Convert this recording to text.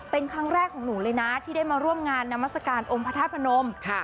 เป็นครั้งแรกของหนูเลยนะที่ได้มาร่วมงานนามัศกาลองค์พระธาตุพนม